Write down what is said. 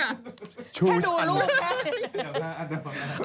แค่ดูลูกแค่นี้